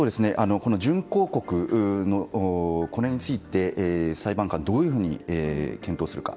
準抗告について裁判官がどういうふうに検討するか。